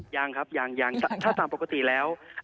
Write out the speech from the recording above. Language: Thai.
ยังครับยังถ้าตามปกติแล้ว